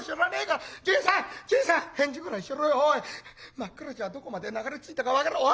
真っ暗じゃどこまで流れ着いたか分からねえ。